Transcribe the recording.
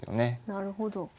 なるほど。